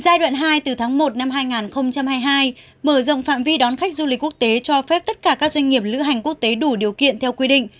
giai đoạn hai từ tháng một năm hai nghìn hai mươi hai mở rộng phạm vi đón khách du lịch quốc tế cho phép tất cả các doanh nghiệp lữ hành quốc tế đủ điều kiện theo quy định